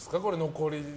残り。